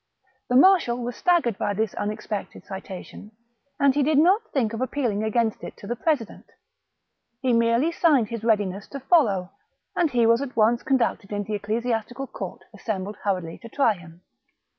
The marshal was staggered by this unexpected citation, and he did not think of appealing against it to the president ; he merely signed his readiness to follow, and he was at once conducted into the ecclesiastical court assembled hurriedly to try him.